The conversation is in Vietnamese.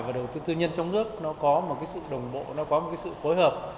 và đầu tư tư nhân trong nước nó có một sự đồng bộ nó có một sự phối hợp